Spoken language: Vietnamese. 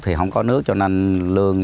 thì không có nước cho nên lương